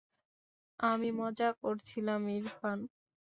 আমি মজা করছিলাম, ইরফান।